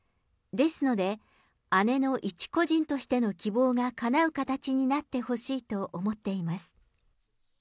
ですので、姉の一個人としての希望がかなう形になってほしいと思っています。